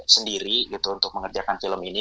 sendiri gitu untuk mengerjakan film ini